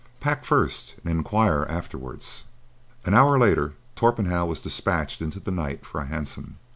Pack first and inquire afterwards." An hour later Torpenhow was despatched into the night for a hansom.